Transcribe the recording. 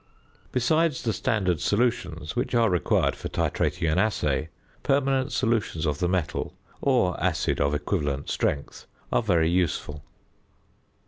Besides the standard solutions, which are required for titrating an assay, permanent solutions of the metal or acid of equivalent strength are very useful.